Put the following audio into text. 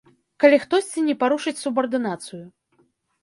Калі хтосьці не парушыць субардынацыю.